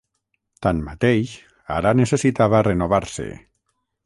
Tanmateix, ara necessitava renovar-se.